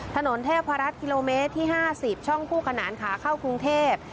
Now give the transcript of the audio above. ถนนเทพรัฐกิโลเมตรที่๕๐ช่องคู่ขนานขาเข้ากรุงเทพ